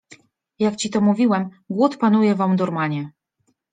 Jak ci to mówiłem, głód panuje w Omdurmanie.